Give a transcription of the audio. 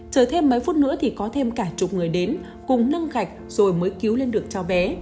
chờ thêm mấy phút nữa thì có thêm cả chục người đến cùng nâng gạch rồi mới cứu lên được cháu bé